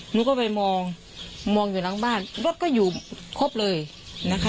หนูก็ไปมองมองอยู่หลังบ้านรถก็อยู่ครบเลยนะคะ